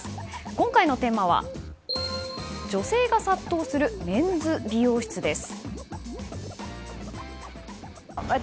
今回のテーマは女性が殺到するメンズ美容室です。